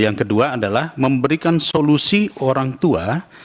yang kedua adalah memberikan solusi orang tua